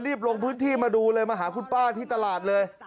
รีบลงพื้นที่มาดูเลยมาหาคุณป้าที่ตลาดเลย